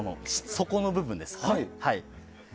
底の部分ですね。